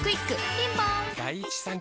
ピンポーン